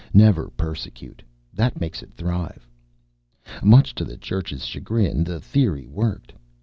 Never persecute. That makes it thrive. Much to the Church's chagrin, the theory worked.